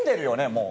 もう。